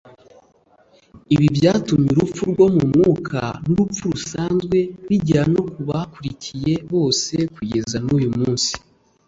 Ibi byatumye urupfu rwo mu mwuka n’urupfu rusanzwe bigera no ku babakurikiye bose kugeza n’uyu munsi